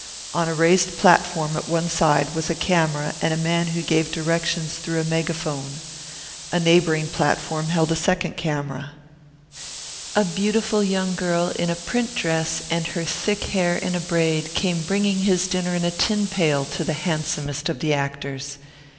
On a raised platform at one side was a camera and a man who gave directions through a megaphone; a neighbouring platform held a second camera. A beautiful young girl in a print dress and her thick hair in a braid came bringing his dinner in a tin pail to the handsomest of the actors.